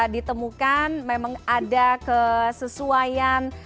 ditemukan memang ada kesesuaian